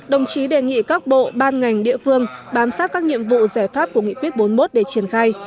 đồng chí đề nghị các bộ ban ngành địa phương bám sát các nhiệm vụ giải pháp của nghị quyết bốn mươi một để triển khai